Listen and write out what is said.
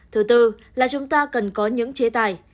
thứ tư là chúng ta cần có những chế tài